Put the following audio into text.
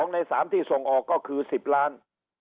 ใน๓ที่ส่งออกก็คือ๑๐ล้าน